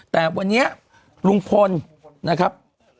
แต่วันนี้ลุงพลนะครับ